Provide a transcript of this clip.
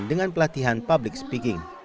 dan pelatihan public speaking